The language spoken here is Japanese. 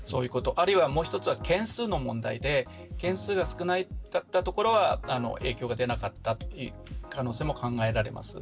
あるいはもう一つは件数の問題で件数が少なかった所は影響が出なかった可能性も考えられます。